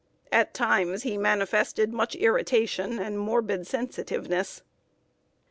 At times he manifested much irritation and morbid sensitiveness.